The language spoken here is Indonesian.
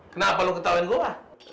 kenapa lo ketahuin gue